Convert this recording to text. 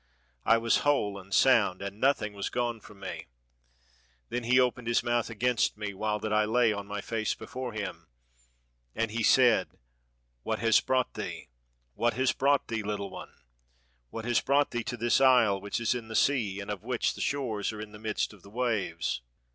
I was whole and sound, and nothing was gone from me. Then 4^ THE SHIPWRECKED SAILOR he opened his mouth against me, while that I lay on my face before him, and he said, 'What has brought thee, what has brought thee, Uttle one, what has brought thee to this isle which is in the sea, and of which the shores are in the midst of the waves?